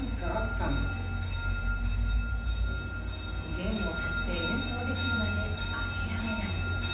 弦を張って演奏できるまで諦めない。